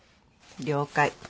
了解。